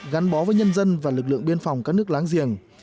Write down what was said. gắn bó với nhân dân và lực lượng biên phòng các nước láng giềng